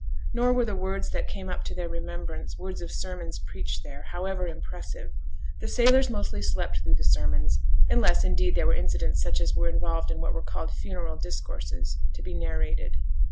Nor were the words that came up to their remembrance words of sermons preached there, however impressive. The sailors mostly slept through the sermons; unless, indeed, there were incidents such as were involved in what were called 'funeral discourses' to be narrated.